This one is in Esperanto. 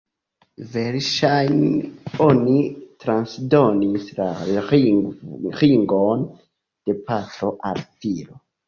Verŝajne oni transdonis la ringon de patro al filo.